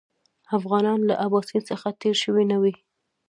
افغانان له اباسین څخه تېر شوي نه وي.